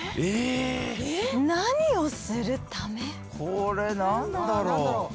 これ何だろう。